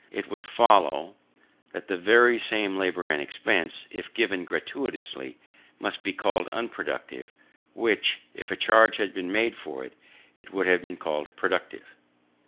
It would follow, that the very same labour and expense, if given gratuitously, must be called unproductive, which, if a charge had been made for it, would have been called productive.